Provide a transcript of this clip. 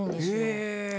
へえ。